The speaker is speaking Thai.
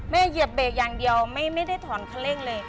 แม่เยียบเบรกอย่างเดียวไม่ได้ถอนเครื่องเร่งเลย